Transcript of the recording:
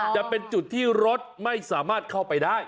จะเป็นจุดที่รถไม่สามารถเข้าไปได้